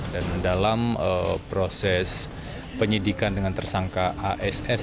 dan dalam proses penyidikan dengan tersangka hss